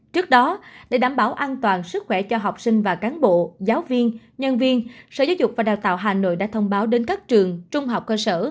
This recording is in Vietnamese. trước đó để đảm bảo an toàn sức khỏe cho học sinh và cán bộ giáo viên nhân viên sở giáo dục và đào tạo hà nội đã thông báo đến các trường trung học cơ sở